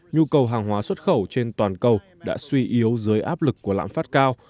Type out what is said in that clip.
nhu cầu hàng hóa xuất khẩu trên toàn cầu đã suy yếu dưới áp lực của lãm phát cao